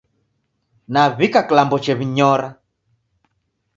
Nawika kilambo chew'inyora